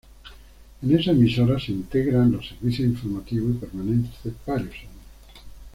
En esa emisora se integra en los servicios informativos y permanece varios años.